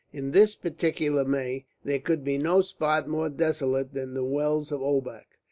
In this particular May there could be no spot more desolate than the wells of Obak.